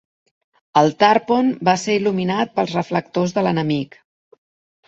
El "Tarpon" va ser il·luminat pels reflectors de l'enemic.